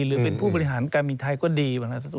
หรือเป็นผู้บริหารการบินไทยก็ดี